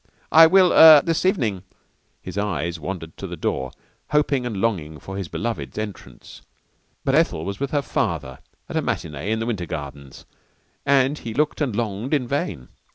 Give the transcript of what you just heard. "I will er this evening." His eyes wandered to the door, hoping and longing for his beloved's entrance. But Ethel was with her father at a matinée at the Winter Gardens and he looked and longed in vain.